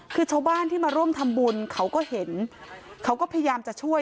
คือชาวบ้านที่มาร่วมทำบุญเขาก็เห็นเขาก็พยายามจะช่วย